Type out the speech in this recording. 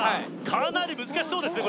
かなり難しそうですね